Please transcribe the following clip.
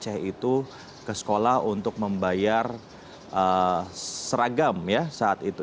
kenapa sampai harus membawa uang receh itu ke sekolah untuk membayar seragam ya saat itu